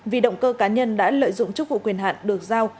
vì động cơ cá nhân đã lợi dụng chức vụ quyền hạn được giao